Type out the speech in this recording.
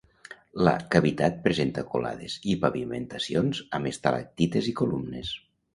La cavitat presenta colades i pavimentacions amb estalactites i columnes.